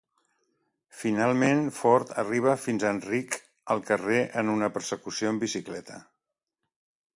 Finalment Ford arriba fins a Enric al carrer en una persecució en bicicleta.